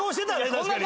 確かに。